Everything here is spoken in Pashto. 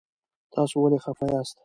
تاسو ولې خفه یاست؟